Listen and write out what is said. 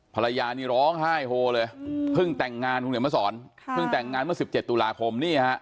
ภรรยานี่ร้องไห้โฮเลยเพิ่งแต่งงานเมื่อ๑๗ตุลาคม